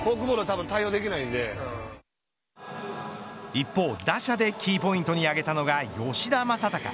一方、打者でキーポイントに挙げたのが吉田正尚。